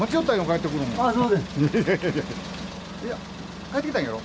いや帰ってきたんやろ。